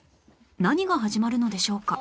何が始まるのでしょうか？